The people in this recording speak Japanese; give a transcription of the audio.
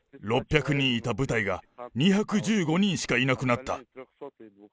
６００人いた部隊が、２１５人しかいなくなった。